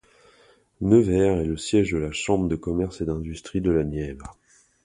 Nevers est le siège de la Chambre de commerce et d'industrie de la Nièvre.